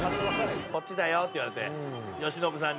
「こっちだよ」って言われて由伸さんに。